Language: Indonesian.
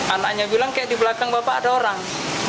anaknya bilang kayak di belakang bapak ada orang